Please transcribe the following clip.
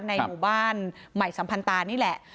ในหมู่บ้านใหม่สัมพันตานี่แหละ